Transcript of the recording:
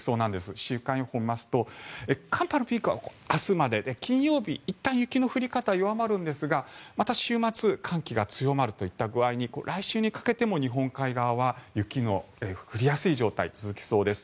週間予報を見ますと寒波のピークは明日までで金曜日、いったん雪の降り方は弱まりますがまた週末寒気が強まるといった具合に来週にかけても日本海側は雪の降りやすい状態が続きそうです。